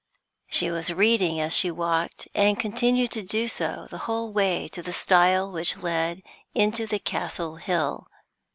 She was reading as she walked, and continued to do so the whole way to the stile which led into the Castle Hill.